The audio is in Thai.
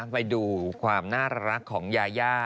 ไปดูความน่ารักของยาย่า